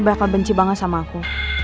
bakal benci banget sama aku